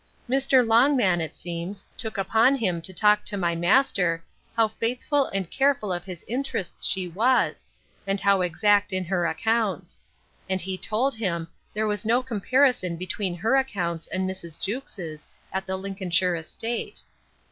Mr. Longman, it seems, took upon him to talk to my master, how faithful and careful of his interests she was, and how exact in her accounts; and he told him, there was no comparison between her accounts and Mrs. Jewkes's, at the Lincolnshire estate.